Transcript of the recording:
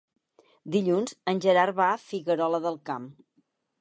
Dilluns en Gerard va a Figuerola del Camp.